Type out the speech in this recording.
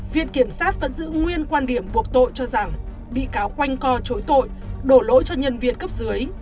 viện kiểm sát vẫn giữ nguyên quan điểm buộc tội cho rằng bị cáo quanh co chối tội đổ lỗi cho nhân viên cấp dưới